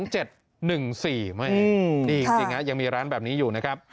นี่จริงนะยังมีร้านแบบนี้อยู่นะครับ